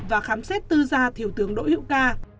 và khám xét tư gia thiếu tướng đỗ hữu ca